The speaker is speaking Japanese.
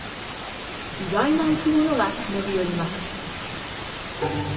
意外な生き物が忍び寄ります。